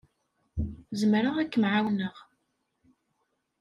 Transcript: Zemreɣ ad kem-ɛawneɣ.